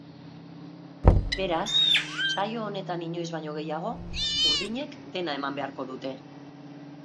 Beraz, saio honetan inoiz baino gehiago, urdinek dena eman beharko dute.